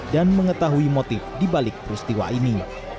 dan mengetahui motif dibalik peristiwa ini